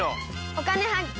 「お金発見」。